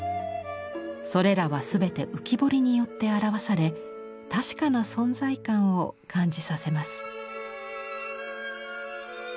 それらは全て浮き彫りによって表され確かな存在感を感じさせます。